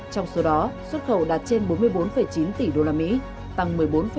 trong số đó xuất khẩu đạt trên bốn mươi bốn chín tỷ usd tăng một mươi bốn